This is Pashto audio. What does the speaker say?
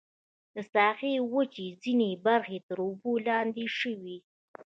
د ساحې وچې ځینې برخې تر اوبو لاندې شوې.